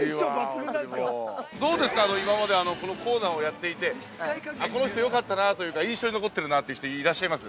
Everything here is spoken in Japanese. どうですか、今までこのコーナーをやっていてこの人よかったなというか印象に残っているなという人いらっしゃいます？